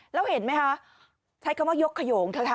แล้วเห็นไหมคะใช้คำว่ายกขยงเถอะค่ะ